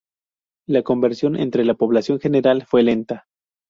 La conversión entre la población general fue lenta.